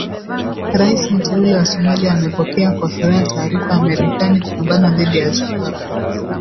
Raisi Mteule wa Somalia amepokea kwa furaha taarifa ya Marekani kupambana dhidi ya Al Shabaab